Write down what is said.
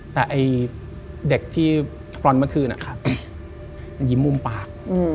แต่เด็กที่พร้อนท์เมื่อคืนยิ้มมุมปาก